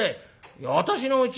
「いや私のうち」。